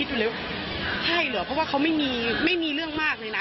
ดูแล้วใช่เหรอเพราะว่าเขาไม่มีไม่มีเรื่องมากเลยนะ